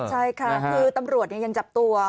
ใช่ค่ะคือตำรวจยังจับตัว